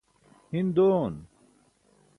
hin doon